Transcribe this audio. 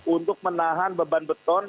untuk menahan beban beton